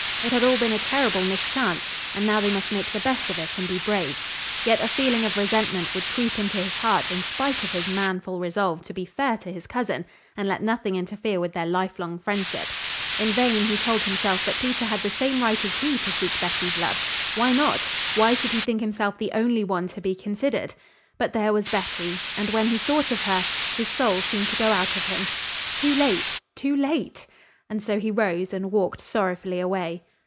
It had all been a terrible mischance, and now they must make the best of it and be brave. Yet a feeling of resentment would creep into his heart in spite of his manful resolve to be fair to his cousin, and let nothing interfere with their lifelong friendship. In vain he told himself that Peter had the same right as he to seek Betty's love. Why not? Why should he think himself the only one to be considered? But there was Betty! And when he thought of her, his soul seemed to go out of him. Too late! Too late! And so he rose and walked sorrowfully away.